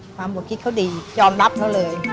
ความห่วงคิดเขาดีจะรับเขาเลย